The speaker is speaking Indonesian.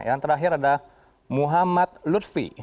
yang terakhir ada muhammad lutfi